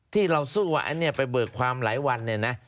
ที่เราสู้ว่าไปเบิกความหลายวันนั่น